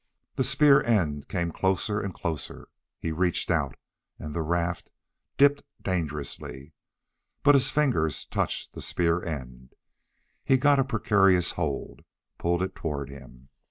The spear end came closer, and closer.... He reached out and the raft dipped dangerously. But his fingers touched the spear end. He got a precarious hold, pulled it toward him.